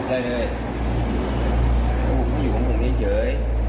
แล้วผมไม่อยู่กับผมเงี้ยเท้ย